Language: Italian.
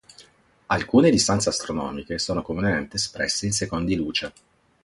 Alcune distanze astronomiche sono comunemente espresse in secondi luce.